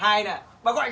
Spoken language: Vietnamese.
anh uống rượu anh